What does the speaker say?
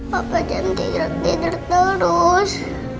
papa jangan tidur tidur terus